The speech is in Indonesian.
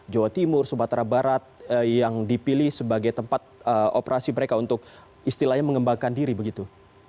jawa timur sumatera barat yang dipilih sebagai tempat operasi mereka untuk istilahnya mengembangkan diri begitu